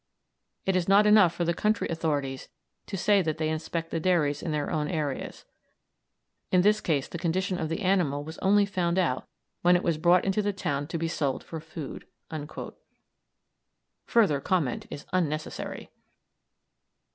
It is not enough for the county authorities to say that they inspect the dairies in their own areas. In this case the condition of the animal was only found out when it was brought into the town to be sold for food." Further comment is unnecessary!